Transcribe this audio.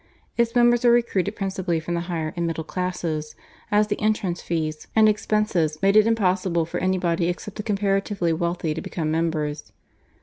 Its members were recruited principally from the higher and middle classes, as the entrance fees and expenses made it impossible for anybody except the comparatively wealthy to become members.